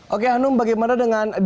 oke hanum bagaimana dengan